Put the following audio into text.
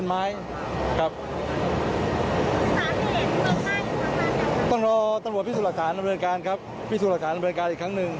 เดี๋ยวต้องรอตรวจพริกสตินแสดงอำนวยการอีกครั้งนึง